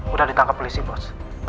udah ditangkap polisi bos